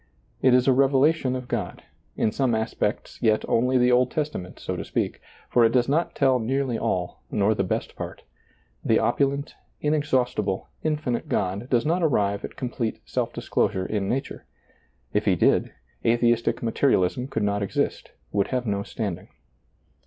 It is a revelation of God, in some aspects yet only the Old Testament so to speak, for it does not tell nearly all nor the best part. The opulent, inexhaustible, infinite God does not arrive at com plete self disclosure in nature ; if He did, athe istic materialism could not exist, would have no standing.